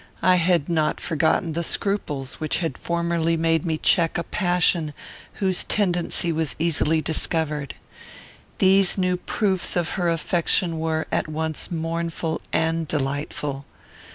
I had not forgotten the scruples which had formerly made me check a passion whose tendency was easily discovered. These new proofs of her affection were, at once, mournful and delightful.